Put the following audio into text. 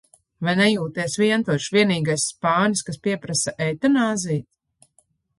Vai nejūties vientuļš: vienīgais spānis, kas pieprasa eitanāziju?